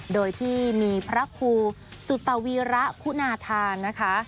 โดยที่มีพระครูสุตวีระคุณาธานนะคะ